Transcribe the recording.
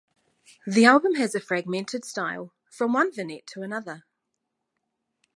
The album has a fragmented style: from one vignette to another.